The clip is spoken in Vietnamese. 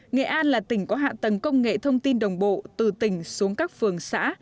nghệ an là tỉnh có hạ tầng công nghệ thông tin đồng bộ từ tỉnh xuống các phường xã